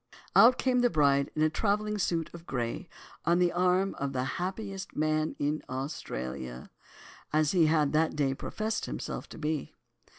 Out came the bride in travelling suit of grey, on the arm of "the happiest man in Australia," as he had that day professed himself to be.